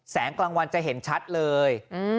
กลางวันจะเห็นชัดเลย